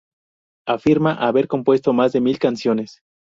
Afirma haber compuesto más de mil canciones.